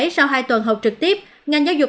sau hai tuần học trực tiếp ngành giáo dục